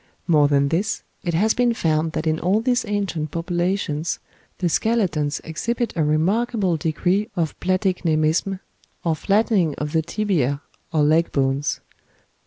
More than this, it has been found that in all these ancient populations the skeletons exhibit a remarkable degree of platicnemism, or flattening of the tibiæ or leg bones.